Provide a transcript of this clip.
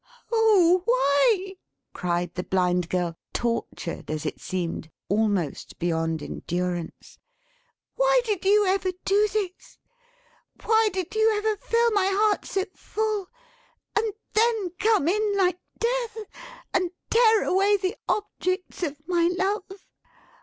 "Oh why," cried the Blind Girl, tortured, as it seemed, almost beyond endurance, "why did you ever do this! Why did you ever fill my heart so full, and then come in like Death, and tear away the objects of my love!